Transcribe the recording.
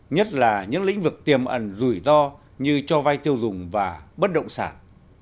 nhất là những lĩnh vực tiềm ẩn rủi ro như cho vay tiêu dùng và bất động sản